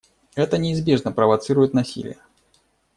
Это неизбежно провоцирует насилие.